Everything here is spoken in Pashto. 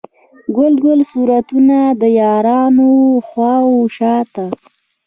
ګل ګل صورتونه، د یارانو و خواو شاته